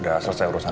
udah selesai urusan